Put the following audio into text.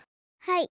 はい。